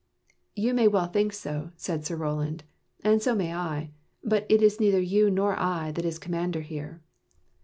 " You may well think so," said Sir Roland, " and so may I; but it is neither you nor I that is commander here."